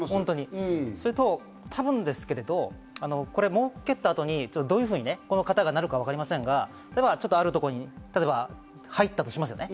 それと多分ですけど、儲けた後にどういうふうにこの方がなるかわかりませんが、あるところに入ったとしますね。